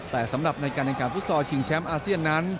แต่สำหรับในการรายการฟุตสอร์ชิงแชมป์อาเซียนนั้น